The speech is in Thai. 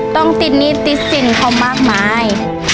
ต้องติดนี้ติดสิ่งเพราะมากมาย